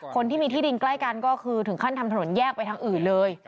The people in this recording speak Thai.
คนที่มีที่ดินใกล้กันก็คือถึงขั้นทำถนนแยกไปทางอื่นเลย